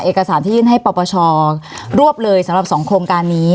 เอกสารที่ยื่นให้ปปชรวบเลยสำหรับ๒โครงการนี้